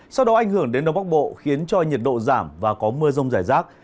sau đó ảnh hưởng đến đông bắc bộ khiến cho nhiệt độ giảm và có mưa rông rải rác